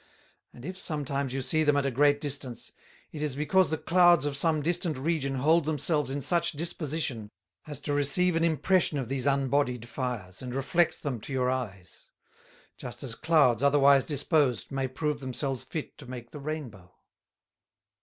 And if sometimes you see them at a great distance, it is because the clouds of some distant region hold themselves in such disposition as to receive an impression of these unbodied fires, and reflect them to your eyes; just as clouds otherwise disposed may prove themselves fit to make the Rainbow.'